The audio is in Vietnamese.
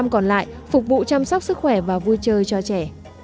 năm mươi còn lại phục vụ chăm sóc sức khỏe và vui chơi cho trẻ